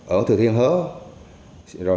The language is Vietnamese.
ở thừa thiên hớ